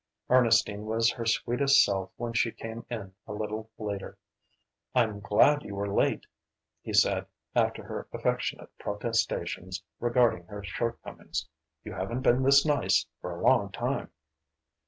Ernestine was her sweetest self when she came in a little later. "I'm glad you were late," he said, after her affectionate protestations regarding her shortcomings, "you haven't been this nice for a long time."